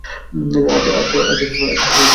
আচ্ছা শোনো, এটা ছিল দুর্ঘটনা।